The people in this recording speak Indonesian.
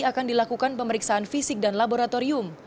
akan dilakukan pemeriksaan fisik dan laboratorium